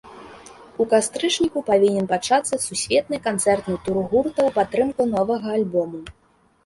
У кастрычніку павінен пачацца сусветны канцэртны тур гурта ў падтрымку новага альбому.